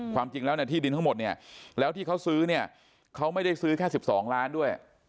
ความจริงแล้วเนี่ยที่ดินทั้งหมดเนี่ยแล้วที่เขาซื้อเนี่ยเขาไม่ได้ซื้อแค่๑๒ล้านด้วย